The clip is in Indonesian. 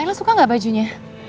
naila suka gak bajunya